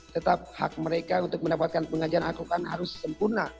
tetap hak mereka untuk mendapatkan pengajaran akrukan harus sempurna